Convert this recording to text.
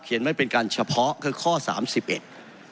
ไว้เป็นการเฉพาะคือข้อสามสิบเอ็ด